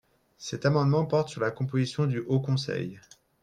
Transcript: Cet amendement porte sur la composition du Haut conseil.